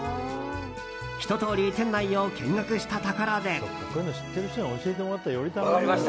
ひととおり店内を見学したところで。